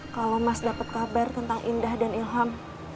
kalau mas dapat kabar tentang indah dan ilham